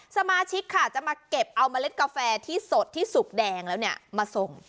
สมาชิกค่ะจะมาเก็บเอาเมล็ดกาแฟที่สดที่สุกแดงแล้วเนี่ยมาส่ง